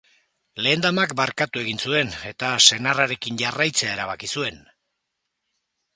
Lehen damak barkatu egin zuen, eta senarrarekin jarraitzea erabaki zuen.